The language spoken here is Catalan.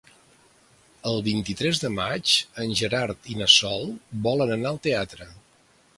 El vint-i-tres de maig en Gerard i na Sol volen anar al teatre.